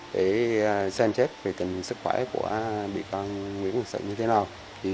để xem chép về tình sức khỏe của bị can nguyễn minh sự như thế nào